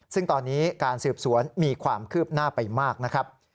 ซึ่งตอนนี้การสืบสวนมีความคืบหน้าไปมากนะครับ